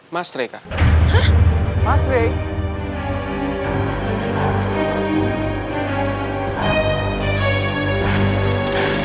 mas reh kak